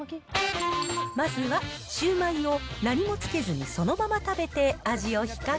まずはシュウマイを何もつけずにそのまま食べて、味を比較。